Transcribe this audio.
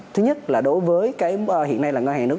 thứ nhất là đối với cái hiện nay là ngân hàng nước